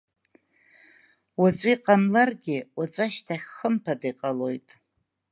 Уаҵәы иҟамларгьы, уаҵәашьҭахь, хымԥада, иҟалоит.